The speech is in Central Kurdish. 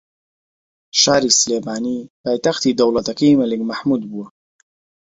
شاری سلێمانی پایتەختی دەوڵەتەکەی مەلیک مەحموود بووە